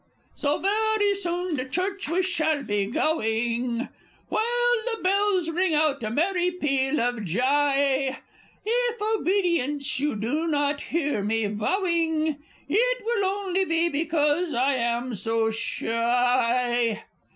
So very soon to Church we shall be gowing, While the bells ring out a merry peal of jy. If obedience you do not hear me vowing, It will only be because I am so shy.